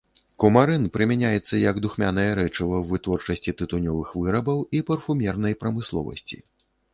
Кумарын прымяняецца як духмянае рэчыва ў вытворчасці тытунёвых вырабаў і ў парфумернай прамысловасці.